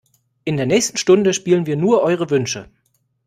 In der nächsten Stunde spielen wir nur eure Wünsche.